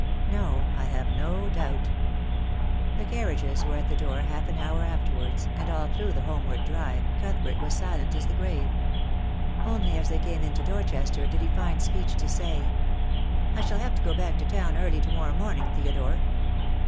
"No. I have no doubt." The carriages were at the door half an hour after wards, and all through the homeward drive Cuthbert was THE DAY WILL COME. 159 silent as the grave. Only as they came into Dorchester did he find speech to say, — "I shall have to go back to town early to morrow morning, Theodore